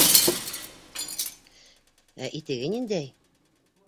Ә итеге ниндәй!